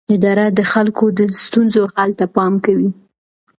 اداره د خلکو د ستونزو حل ته پام کوي.